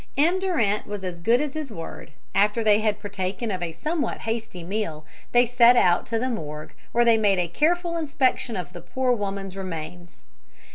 M. Durant was as good as his word; after they had partaken of a somewhat hasty meal, they set out to the morgue, where they made a careful inspection of the poor woman's remains.